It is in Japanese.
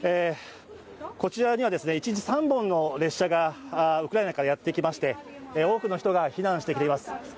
こちらには一日３本の列車がウクライナからやってきまして多くの人が避難してきています。